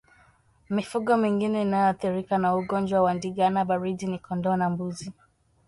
Mifugo mingine inayoathirika na ugonjwa wa ndigana baridi ni kondoo na mbuzi